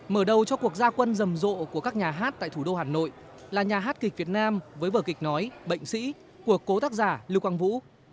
mở đầu cho cuộc gia quân rầm rộ của các nhà hát tại thủ đô hà nội là nhà hát kịch việt nam với vở kịch nói bệnh sĩ của cố tác giả lưu quang vũ